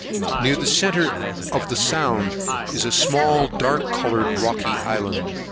Near the centre of the sound is a small dark coloured, rocky island.